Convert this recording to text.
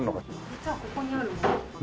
実はここにあるものとか。